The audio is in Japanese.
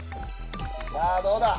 さあどうだ！